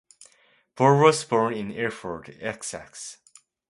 Ball was born in Ilford, Essex.